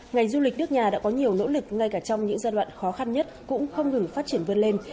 ngành du lịch nước nhà đã có nhiều nỗ lực ngay cả trong những giai đoạn khó khăn nhất cũng không ngừng phát triển vươn lên